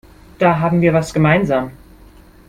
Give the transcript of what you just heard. Da haben wir was gemeinsam.